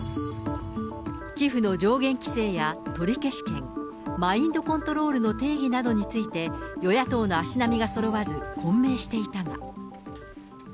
寄付の上限規制や取消権、マインドコントロールの定義などについて、与野党の足並みがそろわず、混迷していたが。